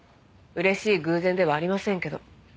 嬉しい偶然ではありませんけど。